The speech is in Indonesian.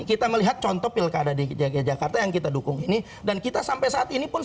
kita melihat contoh pilkada di jakarta yang kita dukung ini dan kita sampai saat ini pun